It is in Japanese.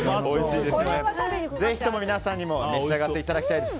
ぜひとも皆さんにも召し上がっていただきたいです。